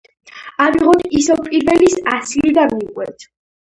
ავიღოთ ისევ პირველის ასლი და მივყვეთ.